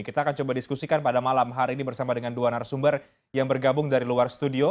kita akan coba diskusikan pada malam hari ini bersama dengan dua narasumber yang bergabung dari luar studio